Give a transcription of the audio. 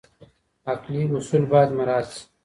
عقلي اصول باید مراعات سي.